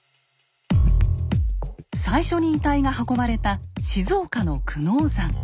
最初に遺体が運ばれた静岡の久能山。